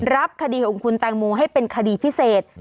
รับคดีของคุณแตงโมให้เป็นคดีพิเศษ